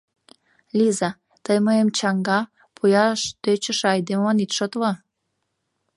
Лиза, тый мыйым чаҥга, пояш тӧчышӧ айдемылан ит шотло.